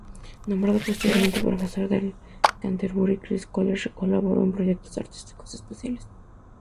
Nombrado posteriormente profesor del Canterbury Christ College, colaboró en proyectos artísticos especiales.